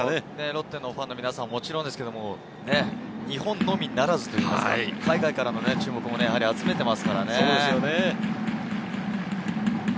ロッテファンの皆様は、もちろんですけれど、日本のみならずといいますか、海外からの注目も集めていますからね。